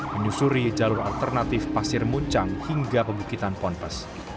menyusuri jalur alternatif pasir muncang hingga pembukitan ponpes